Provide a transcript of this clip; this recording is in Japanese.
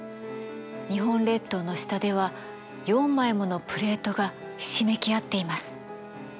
日本列島の下では４枚ものプレートがひしめき合っています。